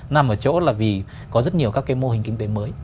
nằm ở chỗ là vì có rất nhiều các cái mô hình kinh tế mới